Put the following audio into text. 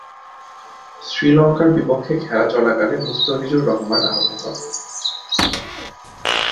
শ্রীলঙ্কার বিপক্ষে খেলা চলাকালে মুস্তাফিজুর রহমান আহত হন।